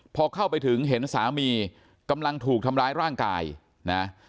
พอเข้าไปถึงเห็นสามีกำลังถูกทำร้ายร่างกายนะ